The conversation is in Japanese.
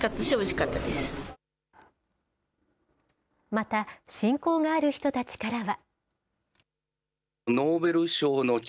また、親交がある人たちからは。